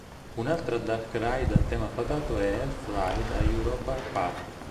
Un'altra "dark ride" a tema fatato è "Elf Ride" a Europa Park.